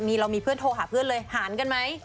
มีเรามีเพื่อนโทรหาเพื่อนเลยหารกันไหม